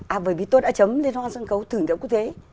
à bởi vì tôi đã chấm lên hoa sân khấu thường đất quốc tế